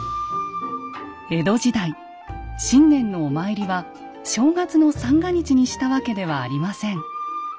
江戸時代新年のお参りは正月の三が日にしたわけではありません。